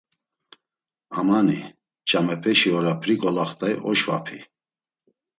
“Amani, ç̌amepeşi ora p̌ri golaxt̆ay oşvapi.”